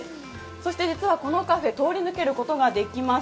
そして実はこのカフェ、通り抜けることができます。